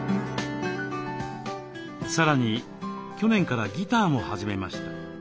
さらに去年からギターも始めました。